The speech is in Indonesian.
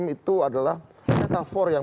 itu adalah metafor yang